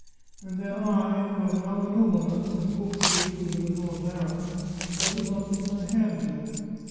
And then I, who am now a nobleman, and hope through you to become a baron, I would not put my hand to it.